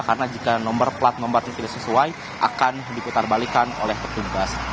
karena jika nomor plat membatasi tidak sesuai akan diputarbalikan oleh petugas